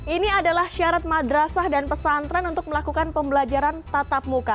ini adalah syarat madrasah dan pesantren untuk melakukan pembelajaran tatap muka